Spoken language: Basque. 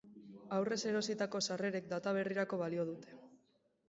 Aurrez erositako sarrerek data berrirako balio dute.